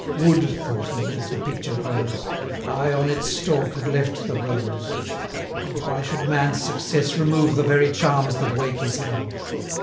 285 Would,' thought he, as the picture grows, 'I on its stalk had left the rose! Oh, why should man's success remove The very charms that wake his love!